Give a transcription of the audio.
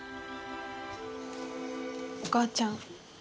お母ちゃん